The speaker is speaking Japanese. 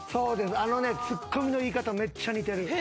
ツッコミの言い方めっちゃ似てる。